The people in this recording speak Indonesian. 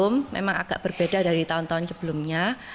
memang agak berbeda dari tahun tahun sebelumnya